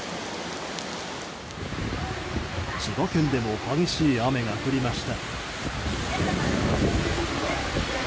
千葉県でも激しい雨が降りました。